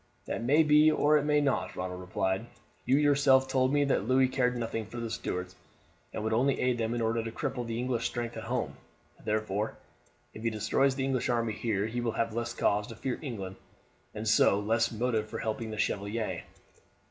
"That may be or it may not," Ronald replied. "You yourself told me that Louis cared nothing for the Stuarts, and would only aid them in order to cripple the English strength at home. Therefore, if he destroys the English army here he will have less cause to fear England and so less motive for helping the Chevalier."